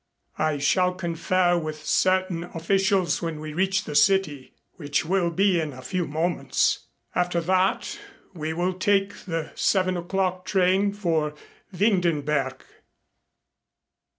"I shall confer with certain officials when we reach the city, which will be in a few moments. After that we will take the seven o'clock train for Windenberg."